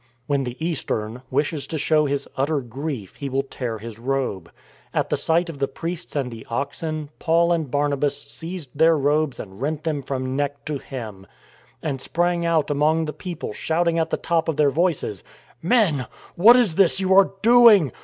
When the Eastern wishes to show his utter grief he will tear his robe. At the sight of the priests and the oxen, Paul and Barnabas seized their robes and rent them from neck to hem, and sprang out among the people, shouting out at the top of their voices :*' Men, what is this you are doing?